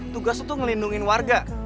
tugas lu tuh ngelindungin warga